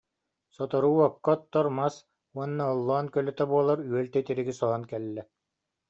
Сотору уокка оттор мас уонна оллоон көлөтө буолар үөл титириги соһон кэллэ